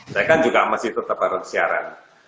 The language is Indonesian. saya kan juga masih tetap harus siaran